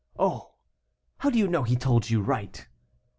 "Oh! how do you know he told you right?"